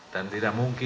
dan tidak mungkin